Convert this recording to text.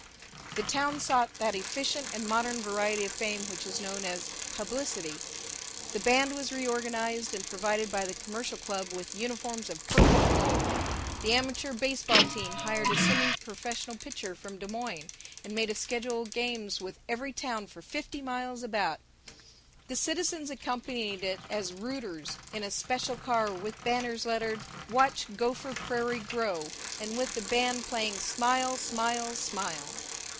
The town sought that efficient and modern variety of fame which is known as "publicity." The band was reorganized, and provided by the Commercial Club with uniforms of purple and gold. The amateur baseball team hired a semi professional pitcher from Des Moines, and made a schedule of games with every town for fifty miles about. The citizens accompanied it as "rooters," in a special car, with banners lettered "Watch Gopher Prairie Grow," and with the band playing "Smile, Smile, Smile."